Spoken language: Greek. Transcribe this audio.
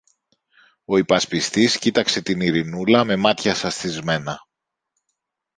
Ο υπασπιστής κοίταξε την Ειρηνούλα με μάτια σαστισμένα.